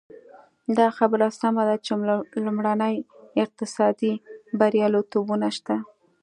دا خبره سمه ده چې لومړني اقتصادي بریالیتوبونه شته.